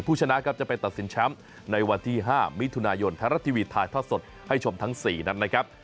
ชนะครับจะไปตัดสินแชมป์ในวันที่๕มิถุนายนไทยรัฐทีวีถ่ายทอดสดให้ชมทั้ง๔นั้นนะครับ